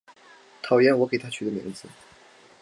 讨厌我给她取的名字